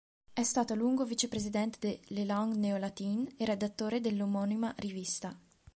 È stato a lungo vicepresidente de "Les Langues Néo-Latines" e redattore dell'omonima rivista.